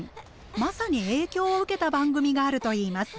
まさに影響を受けた番組があるといいます。